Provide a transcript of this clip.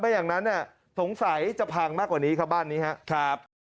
อย่างนั้นเนี่ยสงสัยจะพังมากกว่านี้ครับบ้านนี้ครับ